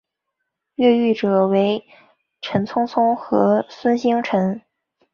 越狱者为陈聪聪和孙星辰。